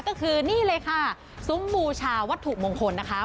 ก็คือนี่เลยค่ะซุ้มบูชาวัตถุมงคลนะคะ